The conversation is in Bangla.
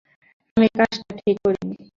আমি কাজটা ঠিক করিনি।